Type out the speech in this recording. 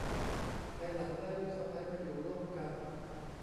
ภายหลังได้ลูกสะใภ้มาอยู่ร่วมกัน